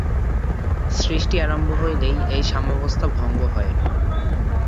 সৃষ্টি আরম্ভ হইলেই এই সাম্যাবস্থা ভঙ্গ হয়।